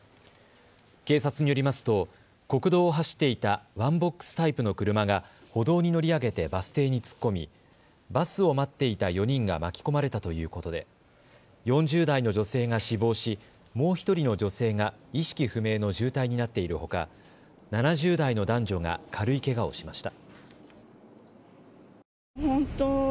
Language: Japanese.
警察によりますと国道を走っていたワンボックスタイプの車が歩道に乗り上げてバス停に突っ込みバスを待っていた４人が巻き込まれたということで４０代の女性が死亡しもう１人の女性が意識不明の重体になっているほか７０代の男女が軽いけがをしました。